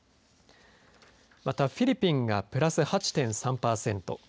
またフィリピンがプラス８．３パーセント